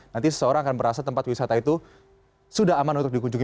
nanti seseorang akan merasa tempat wisata itu sudah aman untuk dikunjungi